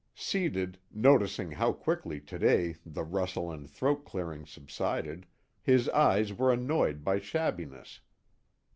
Seated, noticing how quickly today the rustle and throat clearing subsided, his eyes were annoyed by shabbiness.